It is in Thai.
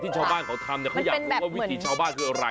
ชาวบ้านเขาทำเขาอยากรู้ว่าวิธีชาวบ้านคืออะไร